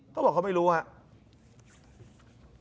เขาบอกเขาไม่รู้ครับ